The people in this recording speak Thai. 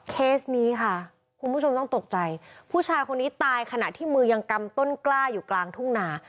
เคสนี้ค่ะคุณผู้ชมต้องตกใจผู้ชายคนนี้ตายขณะที่มือยังกำต้นกล้าอยู่กลางทุ่งนา